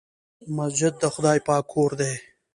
مسجد د خدای پاک کور دی.